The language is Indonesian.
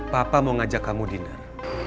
papa mau ngajak kamu dinner